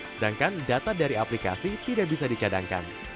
sedangkan data dari aplikasi tidak bisa dicadangkan